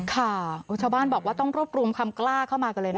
ค่ะชาวบ้านบอกว่าต้องรวบรวมคำกล้าเข้ามากันเลยนะคะ